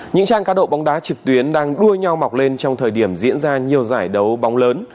những trang cá độ bóng đá trực tuyến đang đua nhau mọc lên trong thời điểm diễn ra nhiều giải đấu bóng lớn